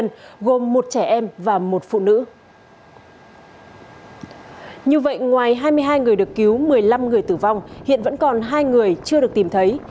như vậy ngoài hai mươi hai người được cứu một mươi năm người tử vong hiện vẫn còn hai người chưa được tìm thấy